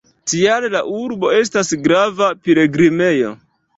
Tial la urbo estas grava pilgrimejo.